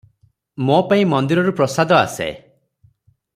ମୋ ପାଇଁ ମନ୍ଦିରରୁ ପ୍ରସାଦ ଆସେ ।